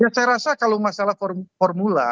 ya saya rasa kalau masalah formula